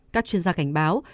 các chuyên gia cảnh báo